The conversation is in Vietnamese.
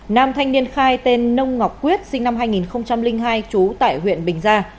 nam thanh niên khai tên nông ngọc quyết sinh năm hai nghìn hai trú tại huyện bình gia